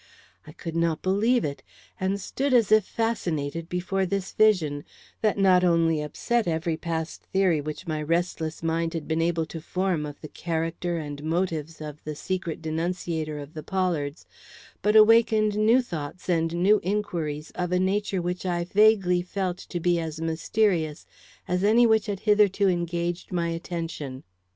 I could not believe it, and stood as if fascinated before this vision, that not only upset every past theory which my restless mind had been able to form of the character and motives of the secret denunciator of the Pollards, but awakened new thoughts and new inquiries of a nature which I vaguely felt to be as mysterious as any which had hitherto engaged my attention.